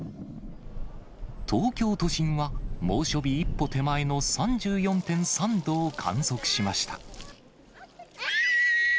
東京都心は猛暑日一歩手前の３４．３度を観測しました。